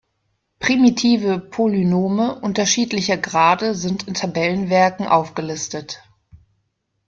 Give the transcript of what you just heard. Primitive Polynome unterschiedlicher Grade sind in Tabellenwerken aufgelistet.